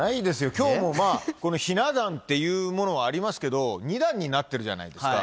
きょうもまあ、このひな壇というものがありますけれども、２段になってるじゃないですか。